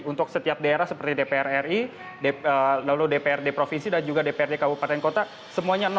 untuk setiap daerah seperti dpr ri lalu dprd provinsi dan juga dprd kabupaten kota semuanya